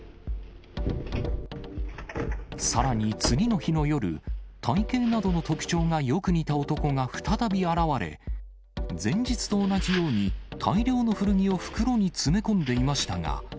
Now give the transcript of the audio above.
さらに次の日の夜、体形などの特徴がよく似た男が再び現れ、前日と同じように大量の古着を袋に詰め込んでいましたが。